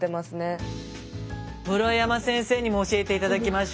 室山先生にも教えて頂きましょう。